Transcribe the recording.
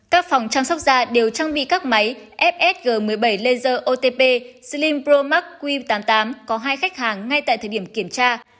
các phòng chăm sóc da đều trang bị các máy fsg một mươi bảy laser otp slim pro max q tám mươi tám có hai khách hàng ngay tại thời điểm kiểm tra